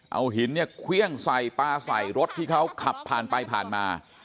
เอาหินเนี่ยเครื่องใส่ปลาใส่รถที่เขาขับผ่านไปผ่านมา